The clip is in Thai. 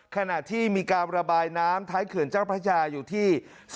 ขณะที่มีการระบายน้ำท้ายเขื่อนเจ้าพระยาอยู่ที่